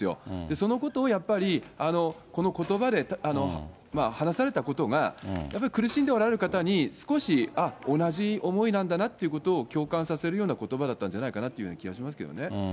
そのことをやっぱり、このことばで話されたことが、やっぱり苦しんでおられる方に、少し、ああ、同じ思いなんだなということを共感させるようなことばだったんじゃないかなというふうな気がしますけどね。